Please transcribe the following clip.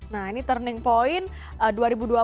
nah ini turning point